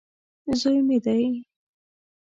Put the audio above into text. زوی مې دی.